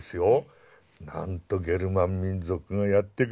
なんとゲルマン民族がやって来るんですよ。